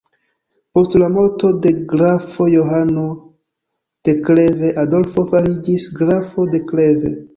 Post la morto de Grafo Johano de Kleve Adolfo fariĝis grafo de Kleve.